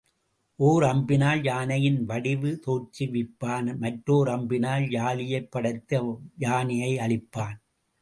ஓர் அம்பினால் யானையின் வடிவு தோற்றுவிப்பான் மற்றோர் அம்பினால் யாளியைப் படைத்து அவ் யானையை அழிப்பான்.